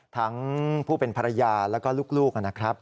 ทั้งผู้เป็นภรรยาแล้วก็ลูกนะครับ